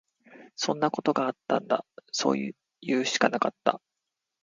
そんなことあったんだ。そういうしかなかった。